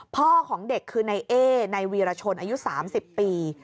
พ่อของเด็กคือนายเอ๊ในวีรชนอายุ๓๐ปี